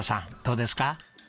どうですか？